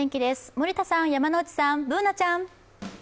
森田さん、山内さん、Ｂｏｏｎａちゃん。